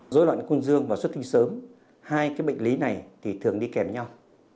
dối loạn cương dương và xuất tinh sớm hai cái bệnh lý này thì thường đi kèm nhau